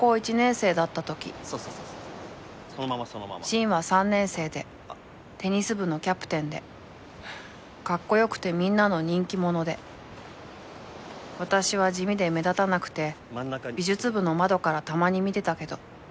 ［慎は３年生でテニス部のキャプテンでカッコ良くてみんなの人気者で私は地味で目立たなくて美術部の窓からたまに見てたけど］